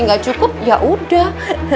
gak cukup ya udah